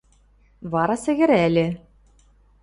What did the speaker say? Вара сӹгӹрӓльӹ: